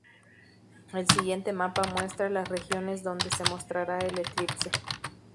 El siguiente mapa muestra las regiones donde se mostrara el eclipse.